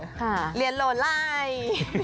ค่ะเรียนโหลไลน์